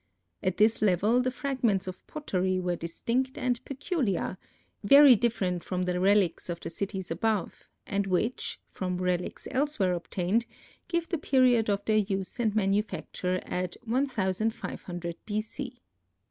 At this level the fragments of pottery were distinct and peculiar, very different from the relics of the cities above and which, from relics elsewhere obtained, give the period of their use and manufacture at 1500 B. C.